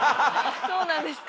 そうなんですか？